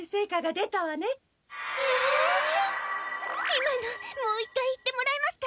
今のもう一回言ってもらえますか？